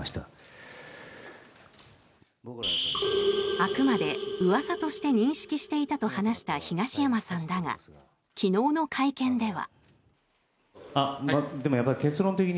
あくまで、うわさとして認識していたと話した東山さんだが昨日の会見では。